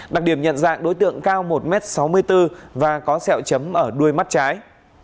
đặc điểm nhận dạng đối tượng cao một m sáu mươi bốn và có sẹo chấm ở đuôi mắt trái